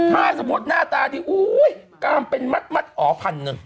ถ้าสมมุติหน้าตาดีอุ๊ยกามเป็นมัดอ๋อพันหนึ่ง